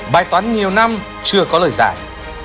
bài toán nhiều năm chưa có lời giải